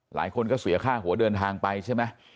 หลายคนก็เสียค่าหัวเดินทางไปใช่ไหม